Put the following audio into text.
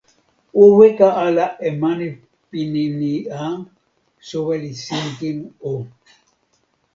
o weka ala e mani pini ni a, soweli Sinkin o.